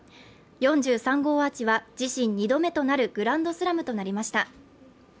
４３号アーチは自身二度目となるグランドスラムとなりました。